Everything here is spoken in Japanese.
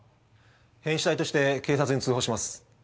変死体として警察に通報します。